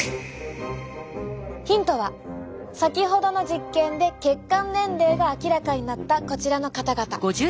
ヒントは先ほどの実験で血管年齢が明らかになったこちらの方々。